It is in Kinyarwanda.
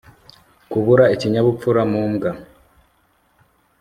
kubura ikinyabupfura mu mbwa